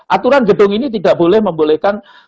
aturan gedung ini tidak boleh membolehkan